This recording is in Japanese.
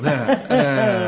ええ。